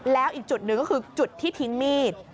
แล้วอีกจุดหนึ่งก็คือจุดที่ทิ้งมีด